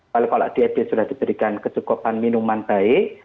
kalau kalau diadil sudah diberikan kecukupan minuman baik